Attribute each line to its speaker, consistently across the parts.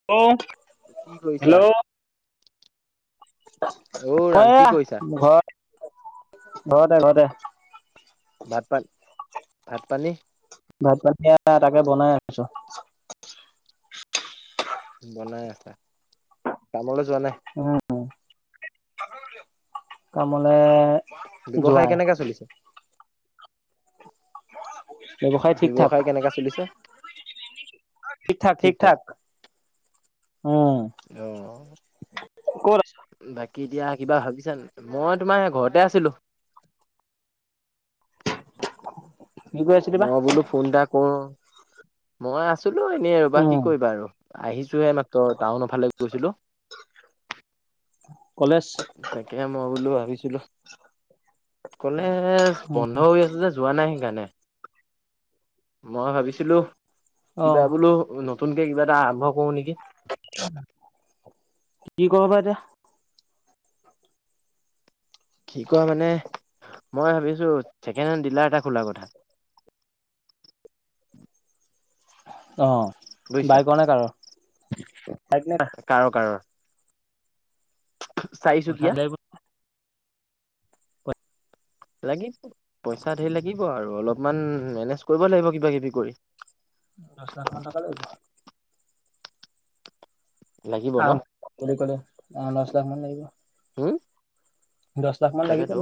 Speaker 1: [unintelligible]
Speaker 2: কি কৰিছা?
Speaker 1: হেল্ল'
Speaker 2: অ' ৰাম
Speaker 1: মই
Speaker 2: কি
Speaker 1: এইয়া
Speaker 2: কৰিছা?
Speaker 1: ঘৰ ঘৰতে ঘৰতে।
Speaker 2: ভাত-পানী ভাত-পানী?
Speaker 1: ভাত-পানী এইয়া তাকে বনাই আছো।
Speaker 2: বনাই আছা, কামলে যোৱা নাই?
Speaker 1: উম উম তাৰমানে
Speaker 2: ব্যৱসায় কেনেকে চলিছে?
Speaker 1: ব্যৱসায় ঠিক ঠাক।
Speaker 2: কেনেকা চলিছে?
Speaker 1: ঠিক ঠাক ঠিক ঠাক উম।
Speaker 2: অ।
Speaker 1: ক'ত আছা
Speaker 2: বাকী এতিয়া কিবা ভাবিছা নি? মই তোমাৰ ঘৰতে আছিলো।
Speaker 1: [unintelligible] আছিলি বা
Speaker 2: মই বোলো ফোন এটা কৰো মই আছিলো এনেই ৰ'বা
Speaker 1: উম
Speaker 2: কি কৰিবা আৰু। আহিছোহে এই মাত্ৰ টাউনৰ ফালে গৈছিলো।
Speaker 1: কলেজ
Speaker 2: তাকে মই বোলো ভাবিছিলো কলেজ বন্ধ হৈ আছে যে যোৱা নাই সেইকাৰণে। মই ভাবিছিলো
Speaker 1: অ
Speaker 2: কিবা বোলো নতুনকে কিবা এটা আৰম্ভ কৰো নিকি।
Speaker 1: কি কৰোঁ বা এতিয়া?
Speaker 2: কি কৰা মানে মই ভাবিছো ছেকেণ্ড হেণ্ড ডিলাৰ এটা খোলাৰ কথা।
Speaker 1: অ
Speaker 2: বুজিছা
Speaker 1: বাইকৰ নে কাৰৰ বাইক নে কাৰ?
Speaker 2: কাৰ কাৰৰ চাৰি চুকীয়া।
Speaker 1: হয়
Speaker 2: লাগিব। পইচা ধেৰ লাগিব আৰু অলপমান মেনেজ কৰিব লাগিব কিবা কিবি কৰি।
Speaker 1: দচ লাখ মান টকা লাগিব।
Speaker 2: লাগিব ন
Speaker 1: [unintelligible] বুলি ক'লে অ দচ লাখ মান লাগিব। দচ
Speaker 2: তাকেটো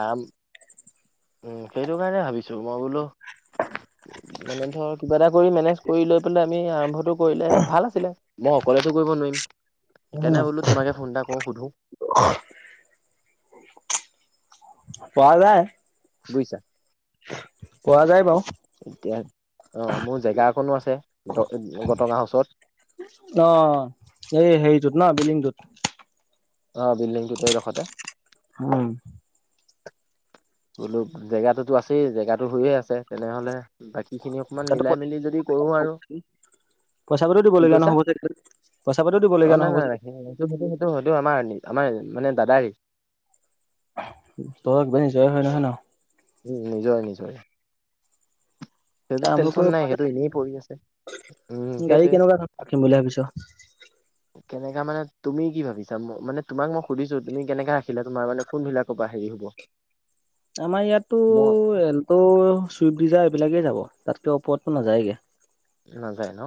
Speaker 2: আৰাম উম সেইটো কাৰণে ভাবিছো মই বোলো মানে ধৰ কিবা এটা কৰি মেনেজ কৰি লৈ পেলাই আমি আৰম্ভটো কৰিলে ভাল আছিলে। মই অকলেটো কৰিব নোৱাৰিম।
Speaker 1: উম
Speaker 2: সেইকাৰণে বোলো তোমাকে ফোন এটা কৰো সুধো।
Speaker 1: [unintelligible] পৰা যায়।
Speaker 2: বুইছা।
Speaker 1: কোৱা
Speaker 2: এতিয়া অ মোৰ জেগা অকণো আছে গট গাঁৱৰ ওচৰত।
Speaker 1: অ এই হেৰিটোত ন বিল্ডিংটোত?
Speaker 2: অ বিল্ডিংটোতেই এই দখতে।
Speaker 1: উম।
Speaker 2: বোলো জেগাটো টো আছেই জেগাটো হৈয়ে আছে তেনেহ'লে বাকী সেইখিনি অকমান
Speaker 1: তাতো
Speaker 2: মিলাই মেলি যদি কৰো আৰু।
Speaker 1: পইচা-পাতিও
Speaker 2: কি
Speaker 1: দিবলগীয়া
Speaker 2: কৈছা
Speaker 1: নহ'ব চাগে পইচা-পাতিও
Speaker 2: অ
Speaker 1: দিবলগীয়া
Speaker 2: নাই
Speaker 1: নহ'ব
Speaker 2: নাই নাই,
Speaker 1: চাগে।
Speaker 2: সেইটো সেইটো সেইটো সেইটো আমাৰ আমাৰ মানে দাদাৰে।
Speaker 1: [unintelligible] নিজৰে হয় নহয় ন?
Speaker 2: উম নিজৰ নিজৰে। সেইটোত
Speaker 1: আৰম্ভ
Speaker 2: টেনশন
Speaker 1: কৰিব
Speaker 2: নাই
Speaker 1: পৰা
Speaker 2: সেইটো
Speaker 1: যায়
Speaker 2: এনেই পৰি আছে। উম
Speaker 1: গাড়ী
Speaker 2: সেইটোৱে।
Speaker 1: কেনেকুৱা ধৰণৰ ৰাখিম বুলি ভাবিছো।
Speaker 2: কেনেকা মানে তুমি কি ভাবিছা মানে তোমাক মই সুধিছো তুমি কেনেকে ৰাখিলা তোমাৰ মানে কোনবিলাকৰ পৰা হেৰি হ'ব?
Speaker 1: [inaudible] আমাৰ ইয়াতটো
Speaker 2: মই
Speaker 1: এল্ট', চুইফ্ট ডিজাৰ এইবিলাকেই যাব তাতকে ওপৰতটো নাযায়গে
Speaker 2: নাযায় ন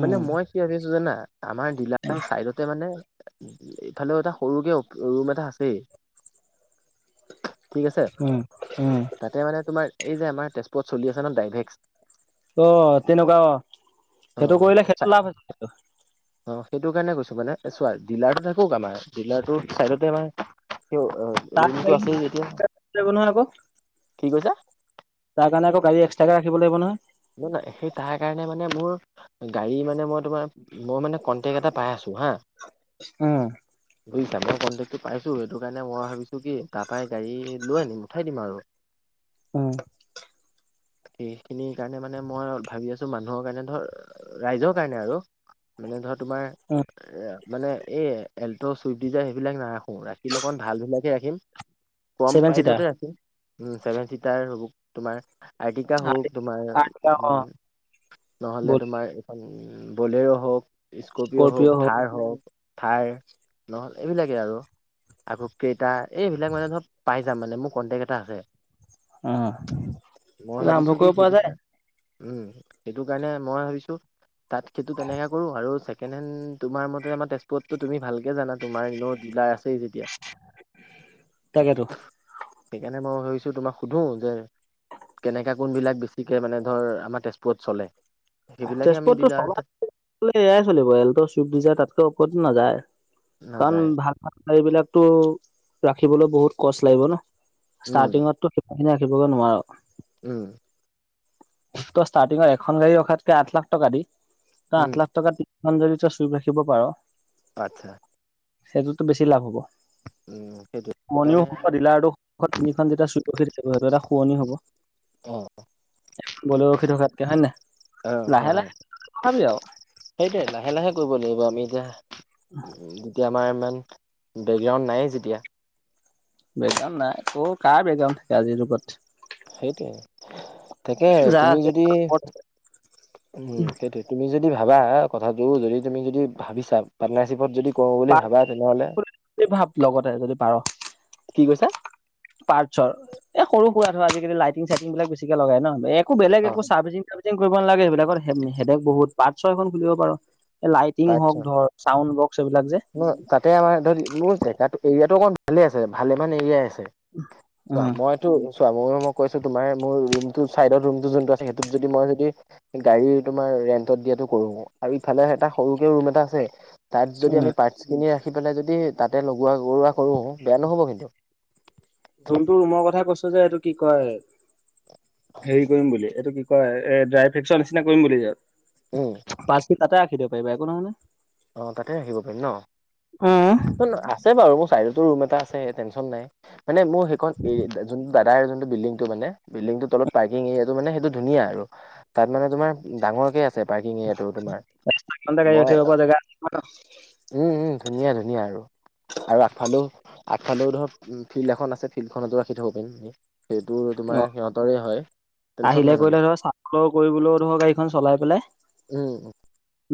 Speaker 2: মানে মই কি ভাবিছো জানা আমাৰ ডিলাৰৰ চাইডতে মানে ইফালেও এটা সৰুকে ৰুম এটা আছেই। ঠিক আছে
Speaker 1: উম উম
Speaker 2: তাতে মানে তোমাৰ এই যে আমাৰ তেজপুৰত চলি আছে ন ডাইভেক্স
Speaker 1: অ তেনেকুৱা অ
Speaker 2: অ
Speaker 1: সেইটো কৰিলে
Speaker 2: চাই
Speaker 1: সেইটো লাভ আছে।
Speaker 2: অ সেইটো কাৰণে কৈছো মানে চোৱা ডিলাৰটো থাকক আমাৰ ডিলাৰটো চাইডতে আমাৰ সেই
Speaker 1: তাৰ
Speaker 2: ৰুমটো আছে
Speaker 1: লাগিব
Speaker 2: যেতিয়া
Speaker 1: নহয় আকৌ
Speaker 2: কি কৈছা?
Speaker 1: তাৰ কাৰণ আক গাড়ী এক্সট্ৰাকে ৰাখিব লাগিব নহয়?
Speaker 2: ন নহয় সেই তাৰ কাৰণে মানে মোৰ গাড়ী মানে মই মই মানে কণ্টেক্ট এটা পাই আছো হা।
Speaker 1: উম
Speaker 2: বুইছা মই কণ্টেক্টো পাইছো সেইটো কাৰণে মই ভাবিছো কি তাৰ পাই গাড়ী লৈ আনিম উঠাই দিম আৰু।
Speaker 1: উম।
Speaker 2: এইখিনি সেইকাৰণে মানে মই ভাবি আছো মানুহৰ কাৰণে ধৰ ৰাইজৰ কাৰণে আৰু মানে ধৰ তোমাৰ
Speaker 1: উম।
Speaker 2: এ মানে এই এল্ট, চুইফ্ট ডিজাৰ সেইবিলাক নাৰাখো ৰাখিল অকন ভালবিলাকে ৰাখিম। কম
Speaker 1: ছেভেন চিটাৰ
Speaker 2: প্ৰাইজতে ৰাখিম উম ছেভেন চিটাৰ হওঁক তোমাৰ আৰ্টিকা হওঁক। তোমাৰ
Speaker 1: অ'
Speaker 2: নহ'লে তোমাৰ এইখন বলেৰো হওঁক স্কপিঅ' হওঁক, থাৰ হওক থাৰ নহ'লে এইবিলাকেই আৰু। আকৌ কেইটা এইবিলাক মানে ধৰ পাই যাম মানে মোৰ কণ্টেক্ট এটা আছে।
Speaker 1: অ
Speaker 2: মই
Speaker 1: এতিয়া আৰম্ভ
Speaker 2: ভাবিছো কি
Speaker 1: কৰিব পৰা
Speaker 2: সেইটো
Speaker 1: যায়।
Speaker 2: উম সেইটো কাৰণে মই ভাবিছো তাত সেইটো তেনেকে কৰো আৰু ছেকেণ্ড হেণ্ড তোমাৰ মতে আমাৰ তেজপুৰতটো তুমি ভালকে জানা তোমাৰ এনেও ডিলাৰ আছে আছেই যেতিয়া।
Speaker 1: তাকেটো।
Speaker 2: সেইকাৰণে মই ভাবছো তোমাক সুধো যে কেনেকে কোনবিলাক বে বেছিকে মানে ধৰ আমাৰ তেজপুৰত চলে। সেইবিলাকে আমি
Speaker 1: তেজপুৰতটো
Speaker 2: ডিলাৰ তাত
Speaker 1: চলাত এয়াই চলিব এলটো, চুইফ্ট ডিজাৰ তাতকে ওপৰতটো নাযায়।
Speaker 2: নাযায়
Speaker 1: কাৰণ ভাল ভাল গাড়ীবিলাকটো ৰাখিবলৈ বহুত কষ্ট লাগিব ন।
Speaker 2: উম
Speaker 1: ষ্টাৰ্টিঙতটো সেইখিনি ৰাখিবগে নোৱাৰ।
Speaker 2: উম।
Speaker 1: তই ষ্টাৰ্টিঙত এখন গাড়ী ৰখাতকে আঠ লাখ টকা দি তই
Speaker 2: উম
Speaker 1: আঠ লাখ টকাত এখন যদি তই চুইপ ৰাখিব পাৰ।
Speaker 2: আচ্ছা।
Speaker 1: সেইটোতটো বেছি লাভ হ'ব
Speaker 2: উম সেইটো কাৰণে
Speaker 1: মনিও দিলা আৰু দুখন, তিনিখন যেতিয়া চুত ৰখি থাকিব সেইটো এটা শুৱনি হ'ব
Speaker 2: অ।
Speaker 1: [unintelligible] বলে ৰখি থকাতকে হয় নে?
Speaker 2: অ হয়
Speaker 1: লাহে
Speaker 2: হয়
Speaker 1: লাহে তথাপি আৰু
Speaker 2: সেইটোয়ে লাহে লাহে কৰিব লাগিব আমি এতিয়া। এতিয়া আমাৰ ইমান বেকগ্ৰাউণ্ড নাইয়ে যেতিয়া
Speaker 1: বেকগ্ৰাউণ্ড নাই ক'ৰ কাৰ বেকগ্ৰাউণ্ড আজিৰ যুগত?
Speaker 2: সেইটোৱে তাকে
Speaker 1: যাৰ
Speaker 2: তুমি
Speaker 1: আছে
Speaker 2: যদি উম সেইটোৱে তুমি যদি ভাবা কথাটো যদি তুমি যদি ভাবিছা পাৰ্টনাৰশ্বিপত যদি কৰো বুলি
Speaker 1: পাৰ
Speaker 2: ভাবা তেনেহ'লে
Speaker 1: যদি ভাব লগতে যদি পাৰ
Speaker 2: কি কৈছা?
Speaker 1: পাৰ্টছৰ এই সৰু সুৰা ধৰ আজিকালি লাইটিং চাইটিং বিলাক বেছিকে লগাই ন একো বেলেগ
Speaker 2: অ
Speaker 1: একো ছাৰ্ভিচিং কৰিব নালাগে সেইবিলাকত হেদেক বহুত পাৰ্টছৰ এখন খুলিব পাৰ এই লাইটিং হওঁক ধৰ চাউণ্ড বক্স এইবিলাক যে
Speaker 2: অ তাতে আমাৰ ধৰ মোৰ জেগাটো এৰিয়াটো অকণ ভালেই আছে ভালেমান এৰিয়াই আছে। চোৱা
Speaker 1: উম
Speaker 2: মই চোৱা মইয়ো মই কৈছো তোমাৰ মোৰ ৰুমটোৰ চাইডত ৰুমটো যোনটো আছে সেইটোত যদি মই যদি গাড়ী তোমাৰ ৰেন্টত দিয়াটো কৰো আৰু ইফালে এটা সৰুকে ৰুম এটা আছে তাত যদি
Speaker 1: উম
Speaker 2: আমি পাৰ্টচ খিনি ৰাখি পেলাই যদি তাতে লগোৱা কৰোৱা কৰো বেয়া নহ'ব কিন্তু।
Speaker 1: যোনটো ৰুমৰ কথা কৈছো যে সেইটো কি কয় হেৰি কৰিম বুলি এইটো কি কয় এ ড্ৰাই ফ্ৰেকচৰ নিচিনা কৰিম বুলি
Speaker 2: উম
Speaker 1: ইয়াত। পাৰ্টচটো তাতে ৰাখি দিব পাৰিবা একো নহয় নহয়।
Speaker 2: অ তাতে ৰাখিব পাৰিম
Speaker 1: নহয়
Speaker 2: ন আছে বাৰু মোৰ চাইডটো ৰুম এটা আছে টেনশচন নাই। মানে মোৰ সেইখন এ যোন দাদাৰ যোনটো বিল্ডিংটো মানে বিল্ডিংৰ তলত পাৰ্কিং এৰিয়াটো মানে সেইটো ধুনীয়া আৰু। তাত মানে তোমাৰ ডাঙৰকে আছে। পাৰ্কিং এৰিয়াটো তোমাৰ
Speaker 1: [unintelligible] গাড়ী
Speaker 2: মই
Speaker 1: ৰাখিব পৰা জেগা
Speaker 2: উম উম ধুনীয়া ধুনীয়া আৰু। আৰু আগফালেও আগফালেও ধৰক ফিল্ড এখন আছে ফিল্ডখনটো ৰাখি থব পাৰিম। সেইটো
Speaker 1: অ
Speaker 2: তোমাৰ সিহঁতৰে হয়। টেনচন
Speaker 1: আহিলে
Speaker 2: নাই মানে
Speaker 1: কৰিলে ধৰ চাফাও কৰিবলৈও ধৰক গাড়ীখন চলাই পেলাই
Speaker 2: উম।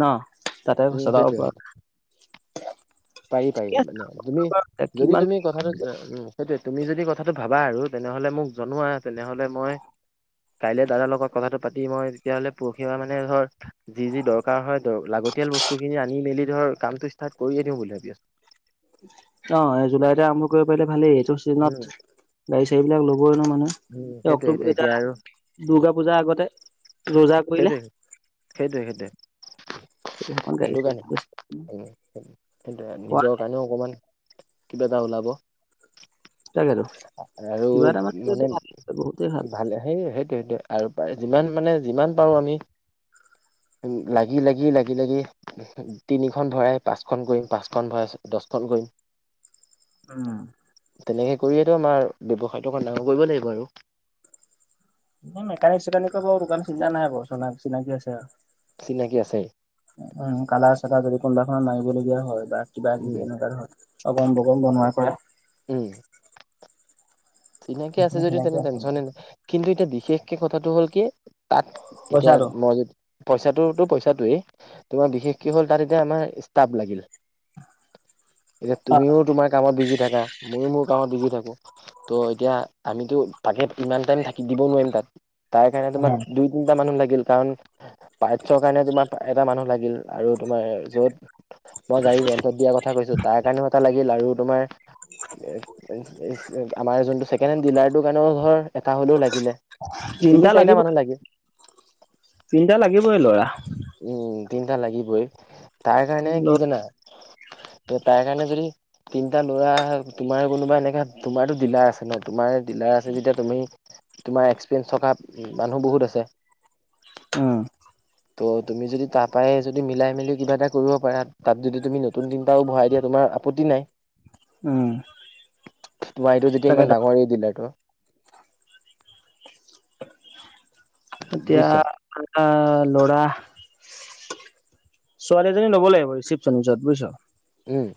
Speaker 1: ন তাতে
Speaker 2: উম
Speaker 1: চলাব
Speaker 2: সেইটোৱে
Speaker 1: পাৰো।
Speaker 2: সেইটোৱে। পাৰি পাৰি মানে তুমি
Speaker 1: বাৰু কিমান
Speaker 2: যদি তুমি কথাটো উম সেইটোৱে তুমি যদি কথাটো ভাবা আৰু তেনেহ'লে মোক জনোৱা, তেনেহ'লে মই কাইলে দাদাৰ লগত কথাটো পাতি মই তেতিয়াহ'লে পৰহিৰ পা মানে ধৰ যি যি দৰকাৰ হয় লাগতিয়াল বস্তুখিনি আনি-মেলি ধৰ কামটো ষ্টাৰ্ট কৰিয়ে দিওঁ বুলি ভাবি আছো।
Speaker 1: অ এই জুলাইতে আৰম্ভ কৰিব পাৰিলে ভালেই এইটো চিজনত
Speaker 2: উম
Speaker 1: গাড়ী-চাড়ীবিলাক ল'বই এনেও মানুহে
Speaker 2: উম
Speaker 1: এই
Speaker 2: সেইটোৱে
Speaker 1: অক্টোবৰ
Speaker 2: সেইটোৱে
Speaker 1: এতিয়া
Speaker 2: আৰু
Speaker 1: দূৰ্গা পূজাৰ আগতে। ৰোজা কৰিলে
Speaker 2: সেইটোৱে সেইটোৱে
Speaker 1: সময়ত
Speaker 2: সেইটোৱে
Speaker 1: গাড়ী
Speaker 2: সেইটো
Speaker 1: চাড়ী
Speaker 2: কাৰণে সেইটোৱে
Speaker 1: পোৱা
Speaker 2: নিজৰ কাৰণেও অকমান কিবা এটা ওলাব।
Speaker 1: তাকে আৰু কিবা এটা
Speaker 2: আৰু
Speaker 1: এইটো
Speaker 2: মানে
Speaker 1: ভাল বহুতেই ভাল।
Speaker 2: ভালে সেই সেইটোৱে সেইটোৱে। আৰু পাৰে যিমান মানে যিমান পাৰো আমি লাগি লাগি লাগি লাগি তিনিখন ভৰাই পাঁচখন কৰিম, পাঁচখন ভৰাই দচখন কৰিম।
Speaker 1: উম।
Speaker 2: তেনেকেই কৰিয়েটো আমাৰ ব্যৱসায়টো অকমান ডাঙৰ কৰিব লাগিব আৰু।
Speaker 1: মেকানিক-চেকানিকৰ বাৰু সেটোকাৰণে চিন্তা নাই আকৌ চ চিনাকি আছে।
Speaker 2: চিনাকি আছে?
Speaker 1: উম কালাৰ-চালাৰ যদি কোনোবাখনত মাৰিবলগীয়া হয় বা
Speaker 2: উম
Speaker 1: কিবা-কিবি এনেকুৱা ধৰণৰ। আগৰম-বগৰম বনোৱাৰ পৰা
Speaker 2: উম চিনাকি আছে
Speaker 1: সেইখিনি
Speaker 2: যদি
Speaker 1: চিনাকি
Speaker 2: তেনে
Speaker 1: আছে
Speaker 2: টেনচনে
Speaker 1: বাৰু
Speaker 2: নাই। কিন্তু এতিয়া বিশেষকে কথাটো হ'ল কি তাত এতিয়া
Speaker 1: পইচাটো
Speaker 2: মই য পইচাটোতো পইচাটোয়েই তোমাৰ বিশেষকে হ'ল তাত এতিয়া আমাৰ ষ্টাফ লাগিল এতিয়া
Speaker 1: অ',
Speaker 2: তুমিও তোমাৰ কামত বিজি থাকা, মইয়ো মোৰ কামত বিজি থাকো তো এতিয়া আমিটো তাকে ইমান টাইম থাকি দিবও নোৱাৰিম তাত তাৰ কাৰণে তোমাৰ
Speaker 1: উম।
Speaker 2: দুই তিনটা মানুহ লাগিল কাৰণ পাৰ্টছৰ কাৰণে তোমাৰ এটা মানুহ লাগিল আৰু তোমাৰ য'ত মই গাড়ী ৰেণ্টত দিয়া কথা কৈছো তাৰ কাৰণেও এটা লাগিল আৰু তোমাৰ [unintelligible] আমাৰ যোনটো ছেকেণ্ড হেণ্ড ডিলাৰটোৰ কাৰণেও ধৰ এটা হ'লেও লাগিলে
Speaker 1: চিন্তা
Speaker 2: তিনি, চাৰিটা মানুহ লাগি
Speaker 1: তিনটা লাগিবই ল'ৰা।
Speaker 2: উম তিনটা লাগিবই তাৰ কাৰণে কি জানা তাৰ কাৰণে যদি তিনটা ল'ৰা তোমাৰ কোনোবা এনেকা তোমাৰটো ডিলাৰ আছে ন তোমাৰ ডিলাৰ আছে যেতিয়া তুমি তোমাৰ এক্সপেৰিয়েঞ্চ থকা মানুহ বহুত আছে।
Speaker 1: উম।
Speaker 2: টো তুমি যদি তাৰ পৰাই যদি মিলাই মেলি কিবা এটা কৰিব পাৰা তাত যদি তুমি নতুন তিনিটাও ভৰাই দিয়া তোমাৰ আপ আপত্তি নাই।
Speaker 1: উম।
Speaker 2: তোমাৰ এইটো যেতিয়া
Speaker 1: তাকে
Speaker 2: ইমান ডাঙৰ এই ডিলাৰটো।
Speaker 1: এতিয়া
Speaker 2: বুজিছা
Speaker 1: আমাৰ ল'ৰা ছোৱালী এজনী ল'ব লাগিব ৰিচিপশ্যনিষ্টত বুইছ।
Speaker 2: উম।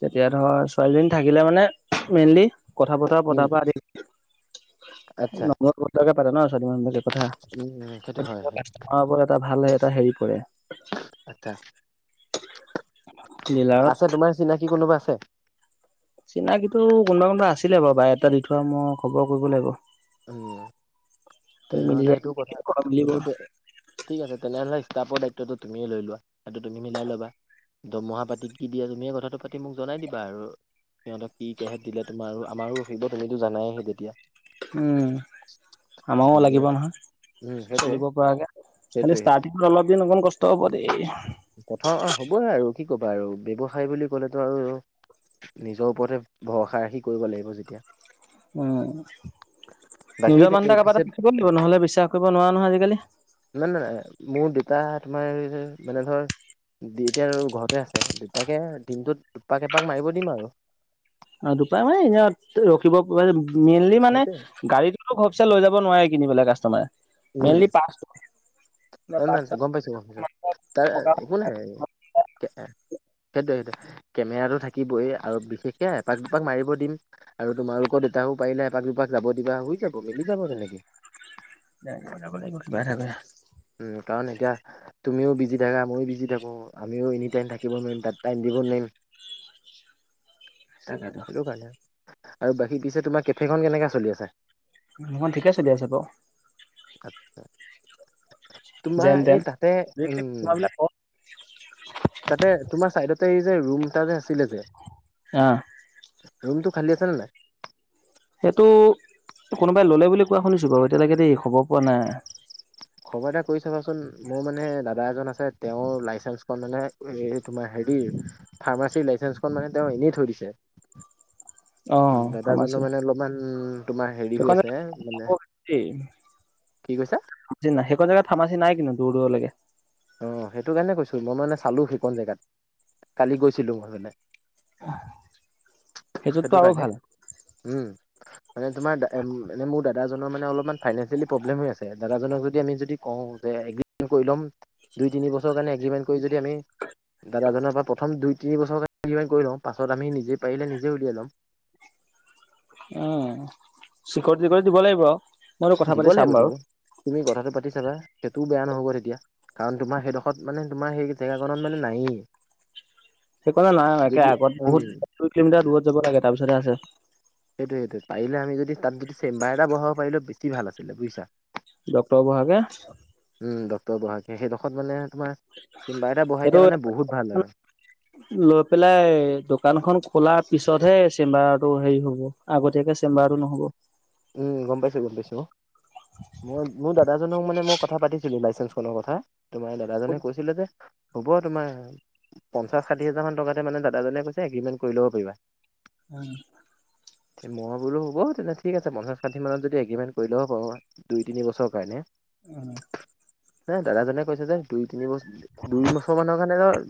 Speaker 1: তেতিয়া ধৰা ছোৱালীজনী থাকিলে মানে মেইনলি কথা-বতৰা
Speaker 2: উম
Speaker 1: পতাৰ পৰা
Speaker 2: আচ্ছা
Speaker 1: আদিকৰি নম্ৰ-ভদ্ৰকে পাতে ন ছোৱালী মানুহবিলাকে কথা।
Speaker 2: উম উম সেইটো হয়
Speaker 1: এইটো
Speaker 2: সেইটো
Speaker 1: কাষ্টমাৰৰ ওপৰত এটা ভাল এটা হেৰি কৰে
Speaker 2: অচ্ছা।
Speaker 1: ডিলাৰত
Speaker 2: আছে তোমাৰ চিনাকি কোনোবা আছে?
Speaker 1: চিনাকিটো কোনোবা কোনোবা আছিলে বাৰু বায়ডাটা দি থোৱা মই খবৰ কৰিব লাগিব।
Speaker 2: উম
Speaker 1: মিলি
Speaker 2: তেনেহ'লে
Speaker 1: যায়।
Speaker 2: সেইটো কথা
Speaker 1: মিলিব
Speaker 2: সেইটোত ঠিক আছে তেনেহ'লে ষ্টাফৰ দায়িত্বটো তুমিয়ে লৈ লোৱা সেইটো তুমি মিলাই ল'বা। দৰমহা পাতি কি দিয়ে তুমিয়ে কথাটো পাতি মোক জনাই দিবা আৰু। সিহঁতক কি কেহেত দিলে তোমাৰ আৰু আমাৰো আহিব তুমিতো জানাই তেতিয়া।
Speaker 1: উম। আমাৰো
Speaker 2: নিজে
Speaker 1: লাগিব
Speaker 2: উম
Speaker 1: নহয়
Speaker 2: সেইটোৱে
Speaker 1: চলিব পৰাকে খালি
Speaker 2: সেইটোৱে সেইটোৱে
Speaker 1: ষ্টাৰ্টিংত অলপদিন অকণ কষ্ট ষ্ট হ'ব দেই
Speaker 2: প্ৰথম অ হ'বই আৰু কি ক'বা আৰু ব্যৱসায় বুলি ক'লেটো আৰু নিজৰ ওপৰতে ভৰসা ৰাখি কৰিব লাগিব যেতিয়া।
Speaker 1: উম
Speaker 2: বাকী
Speaker 1: নিজৰ মানুহ
Speaker 2: এই
Speaker 1: এটা কাৰোবা
Speaker 2: পিছে
Speaker 1: এটা থাকিব লাগিব নহ'লে বিশ্বাস কৰিব নোৱাৰা নহয় আজিকালি।
Speaker 2: নাই নাই নাই মোৰ দেউতা তোমাৰ মানে ধৰ দেউতা আৰু ঘৰতে আছে দেউতাকে দিনটোত দুপাক, এপাক মাৰিব দিম আৰু।
Speaker 1: অ দুপাক মানে ইনে আৰু ৰখিব মেইনলি মানে
Speaker 2: সেইটোৱে
Speaker 1: গাড়ী টো ঘপচে লৈ যাব নোৱাৰে কিনি পেলাই কাষ্টমাৰে
Speaker 2: উম
Speaker 1: মেইনলি পাৰ্টছ
Speaker 2: [unintelligible]
Speaker 1: পাৰ্টছ
Speaker 2: গম পাইছো গম পাইছো তাৰ
Speaker 1: থকা
Speaker 2: একো নাই সেইটোৱে সেইটোৱে কেমেৰাটো থাকিবই আৰু বিশেষ এ এপাক, দুপাক মাৰিব দিম আৰু তোমালোকৰ দেউতাকো পাৰিলে এপাক, দুপাক যাব দিবা হৈ যাব মিলি যাব তেনেকে।
Speaker 1: নাই মিলাব লাগিব কিবা এটা কৰি।
Speaker 2: উম কাৰণ এতিয়া তুমিও বিজি থাকা, মইয়ো বিজি থাকো আমিও এনি টাইম থাকিব নোৱাৰিম, তাত টাইম দিব নোৱাৰিম। সেইটো
Speaker 1: [unintelligible]
Speaker 2: আৰু বাকী পিছে তোমাৰ কেফেখন কেনেকা চলি আছে?
Speaker 1: মোৰখন ঠিকে চলি আছে বাৰু।
Speaker 2: [unintelligible] তোমাৰ
Speaker 1: যেনতেন
Speaker 2: এই তাতে
Speaker 1: [unintelligible]
Speaker 2: তাকে তোমাৰ চাইডতে এই যে ৰুম এটা যে আছিলে যে ৰুমটো খালি আছে নে নাই?
Speaker 1: সেইটো কোনোবাই ল'লে বুলি কোৱা শুনিছো বাৰু এতিয়ালেকে দেই খবৰ পোৱা নাই।
Speaker 2: খবৰ এটা কৰি চাবাচোন মোৰ মানে দাদা এজন আছে তেওঁৰ লাইচেন্ঞ্চখন মানে এ তোমাৰ হেৰি ফাৰ্মাচীৰ লাইচেন্ঞ্চখন মানে তেওঁ এনেই থৈ দিছে।
Speaker 1: অ
Speaker 2: দাদাজনো
Speaker 1: ফাৰ্মাচী
Speaker 2: মানে অলপমান তোমাৰ হেৰি হৈ
Speaker 1: সেইখন
Speaker 2: আছে মানে
Speaker 1: জেগাত
Speaker 2: কি কৈছা?
Speaker 1: [unintelligible] সেইকণ জেগাত ফাৰ্মাচী নাই কিন্তু দূৰ দূৰলৈকে।
Speaker 2: অ সেইটো কাৰণে কৈছো মই মানে চালো সেইকণ জেগাত কালি গৈছিলো মই ওলাই। সেইটো
Speaker 1: সেইটোতটো আৰু
Speaker 2: কাৰণে
Speaker 1: ভাল।
Speaker 2: উম মানে তোমাৰ এনে মোৰ দাদাজনৰ মানে অলপমান ফাইনেনচিয়েলি প্ৰব্লেম হৈ আছে দাদাজনক যদি আমি যদি কওঁ যে এগ্ৰিমেণ্টটো কৰি লম দুই তিনি বছৰ সেইটো কাৰণে এগ্ৰিমেণ্ট কৰি যদি আমি দাদাজনৰ পৰা প্ৰথম দুই, তিনি বছৰ মান কৰি লওঁ পাছত আমি নিজে পাৰিলে নিজে উলিয়াই লম।
Speaker 1: উম, শিখৰ তিখৰ দিব লাগিব আ,
Speaker 2: দিব লাগিব দিবা তুমি কথাটো পাতি চাবা সেইটোও বেয়া নহ'ব তেতিয়া। কাৰণ তোমাৰ সেইডোখৰত মানে তোমাৰ সেই জেগাকখনত মানে নায়েই।
Speaker 1: সেইকাৰণে নাই একে
Speaker 2: যদি
Speaker 1: আগত
Speaker 2: উম
Speaker 1: বহুত দুই কিলোমিটাৰ দূৰত যাব লাগে, তাৰপিছতহে আছে।
Speaker 2: সেইটো-সেইটো পাৰিলে আমি যদি তাত যদি চেম্বাৰ এটা বহাব পাৰিলেও বেছি ভাল আছিল বুজিছা।
Speaker 1: ডক্টৰ বহাব।
Speaker 2: উম, ডক্টৰ বহাকে সেইডোখৰত মানে তোমাৰ ছেম্বাৰ এটা বহাই দিয়া মানে বহুত ভাল আৰু।
Speaker 1: উ [unintelligible] লৈ পেলাই দোকানখনন খোলাৰ পিছতহে চেম্বাৰটো হেৰি হ'ব। আগতীয়াকে চেম্বাৰটো নহ'ব।
Speaker 2: উম, গম পাইছো, গম পাইছো। মই মোৰ দাদাজনক মানে মই কথা পাতিছিলো। লাইচেন্ঞ্চখনৰ কথা তোমাৰ দাদাজনে কৈছিলে যে, হ'ব তোমাৰ পঞ্চাছ ষাঠি হাজাৰমান টকাতে মানে দাদাজনে কৈছে এগ্ৰিমেণ্ট কৰি ল'ব পাৰিবা।
Speaker 1: উম,
Speaker 2: মই বোলো হ'ব তেনে ঠিক আছে পঞ্চাছ ষাঠি মানত যদি এগ্ৰিমেণ্ট কৰি লব পাৰোঁ দুই, তিনি বছৰ কাৰণে।
Speaker 1: উম,
Speaker 2: এ দাদাজনে কৈছে যে দুই তিন বছৰ দুই বছৰ মানৰ কাৰণে ধৰা,